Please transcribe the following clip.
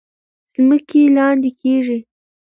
ځمکې لاندې کیږي.